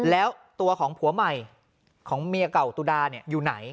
แล้วตัวของผัวใหม่ของเมียเก่าตุดาอยู่ไหน